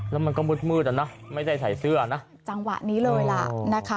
แล้วมันก็มืดมืดอ่ะนะไม่ได้ใส่เสื้อนะจังหวะนี้เลยล่ะนะคะ